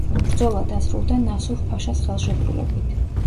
ბრძოლა დასრულდა ნასუჰ-ფაშას ხელშეკრულებით.